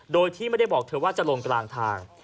โดยที่ไม่ได้บอกเธอว่าจะลงกลางทาง